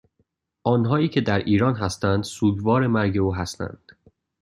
آنهایی که در ایران هستند سوگوار مرگ او هستند